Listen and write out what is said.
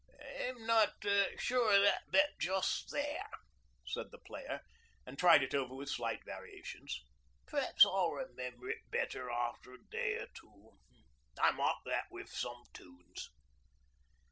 'I'm not sure of that bit just there,' said the player, and tried it over with slight variations. 'P'raps I'll remember it better after a day or two. I'm like that wi' some toons.'